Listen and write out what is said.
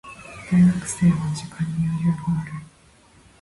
大学生は時間に余裕がある。